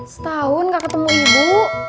setahun nggak ketemu ibu